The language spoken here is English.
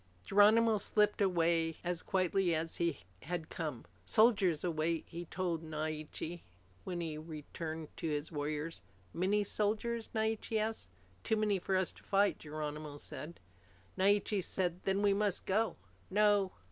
Geronimo slipped away as quietly as he had come. "Soldiers await," he told Naiche when he had returned to his warriors. "Many soldiers?" Naiche asked. "Too many for us to fight," Geronimo said. Naiche said, "Then we must go." "No.